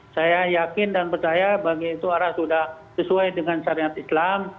saya yakin dan percaya bagi itu arah sudah sesuai dengan syariat islam